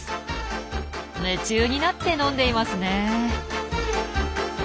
夢中になって飲んでいますねえ。